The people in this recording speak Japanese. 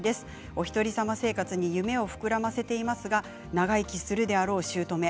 おひとりさま生活に夢を膨らませていますが長生きするであろうしゅうとめ。